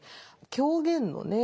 狂言のね